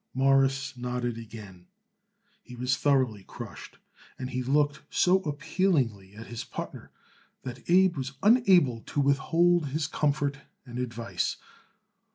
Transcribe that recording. Morris nodded again. He was thoroughly crushed, and he looked so appealingly at his partner that Abe was unable to withhold his comfort and advice.